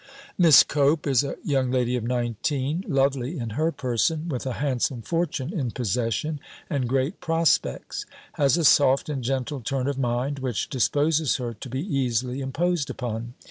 MISS COPE is a young lady of nineteen, lovely in her person, with a handsome fortune in possession, and great prospects. Has a soft and gentle turn of mind, which disposes her to be easily imposed upon.